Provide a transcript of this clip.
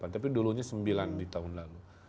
tapi dulunya sembilan di tahun lalu